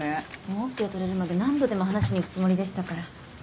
取れるまで何度でも話しに行くつもりでしたから。